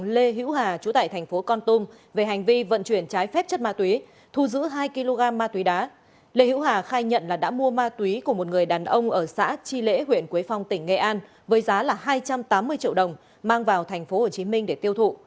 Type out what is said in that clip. lê hữu hà khai nhận là đã mua ma túy của một người đàn ông ở xã chi lễ huyện quế phong tỉnh nghệ an với giá là hai trăm tám mươi triệu đồng mang vào tp hcm để tiêu thụ